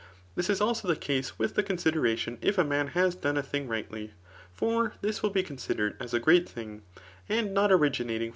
This is also the case with the considtfatiou if a man has done a thing rightly ; for thia will be considered as a great thing, and not originating.